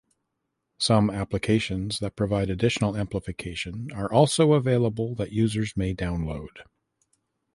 Some applications that provide additional amplification are also available that users may download.